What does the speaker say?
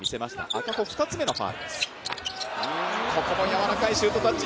赤穂、２つ目のファウルです。